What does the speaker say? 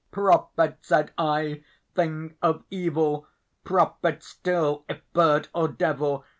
"Prophet!" said I, "thing of evil prophet still, if bird or devil!